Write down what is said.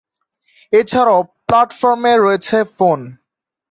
এছাড়াও প্ল্যাটফর্মে রয়েছে ফোন।